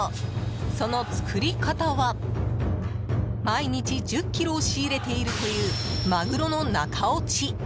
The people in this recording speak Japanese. その作り方は、毎日１０ｋｇを仕入れているというマグロの中落ち。